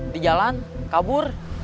di jalan kabur